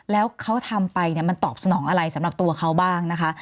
แล้วเขาทำไปมันตอบสนองอะไรสำหรับตัวเขาบ้างนะคะ